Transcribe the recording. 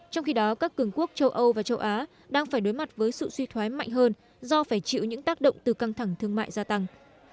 trong khi đó các cường quốc châu âu và châu á đang phải đối mặt với sự suy thoái mạnh hơn do phải chịu những tác động từ căng thẳng thương mại gia tăng